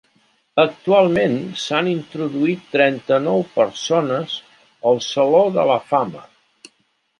Actualment s'han introduït trenta-nou persones al Saló de la Fama.